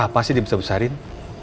apa sih dibesar besarin